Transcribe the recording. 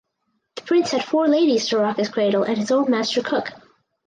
The prince had four ladies to rock his cradle and his own master cook.